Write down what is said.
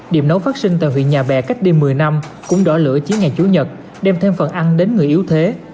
điểm nấu phát sinh tại huyện nhà bè cách đây một mươi năm cũng đỏ lửa chỉ ngày chủ nhật đem thêm phần ăn đến người yếu thế